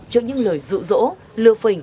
trước những lời rụ rỗ lừa phình